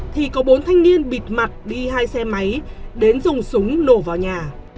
thì có bốn thanh niên bịt mặt đi hai xe máy đến dùng súng nổ vào nhà